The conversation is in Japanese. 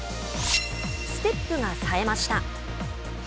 ステップがさえました。